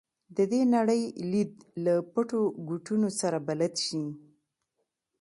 د دې نړۍ لید له پټو ګوټونو سره بلد شي.